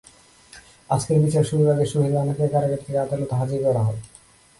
আজকের বিচার শুরুর আগে সোহেল রানাকে কারাগার থেকে আদালতে হাজির করা হয়।